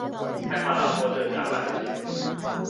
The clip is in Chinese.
害怕打破这假扮的幸福